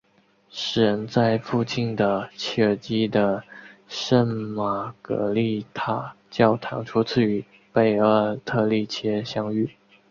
诗人在附近的切尔基的圣玛格丽塔教堂初次与贝阿特丽切相遇。